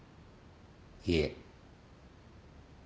いえ。